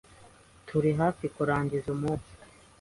Turi hafi kurangiza umunsi.